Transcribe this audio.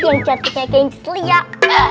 yang cantiknya kayaknya cicliah